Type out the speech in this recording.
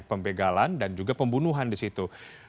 pembegalan dan juga pembunuhan di situ